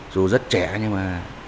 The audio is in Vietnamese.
dù rất trẻ nhưng mà